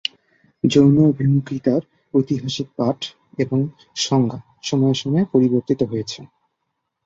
যৌন অভিমুখিতার ঐতিহাসিক পাঠ এবং সংজ্ঞা সময়ে সময়ে পরিবর্তিত হয়েছে।